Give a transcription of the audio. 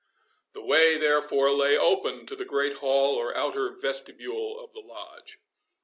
The way, therefore, lay open to the great hall or outer vestibule of the Lodge.